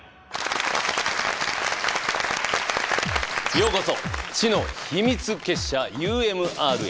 ようこそ知の秘密結社ＵＭＲへ。